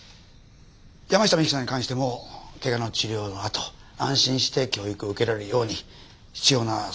山下未希さんに関してもけがの治療のあと安心して教育を受けられるように必要な措置をとりましょう。